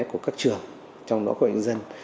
của các trường trong đó của nhân dân